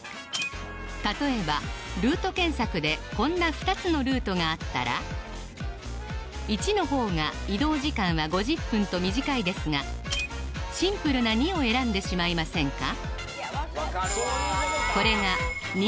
例えばルート検索でこんな２つのルートがあったら１のほうが移動時間は５０分と短いですがシンプルな２を選んでしまいませんか？